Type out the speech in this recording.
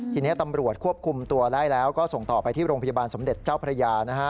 ทีนี้ตำรวจควบคุมตัวได้แล้วก็ส่งต่อไปที่โรงพยาบาลสมเด็จเจ้าพระยานะฮะ